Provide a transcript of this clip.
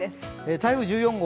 台風１４号